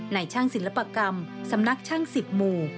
ในช่างศิลปกรรมสำนักช่างศิษฐรีปมูตร